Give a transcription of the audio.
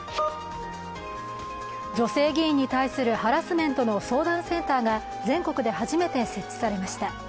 女性議員に対するハラスメントの相談センターが全国で初めて設置されました。